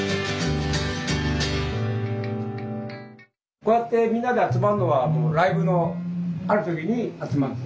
こうやってみんなで集まるのはライブのある時に集まって。